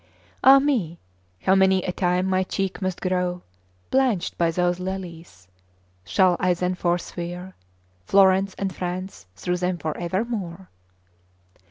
Ah me! how many a time my cheek must grow Blanched by those lilies! Shall I then forswear Florence and France through them for evermore?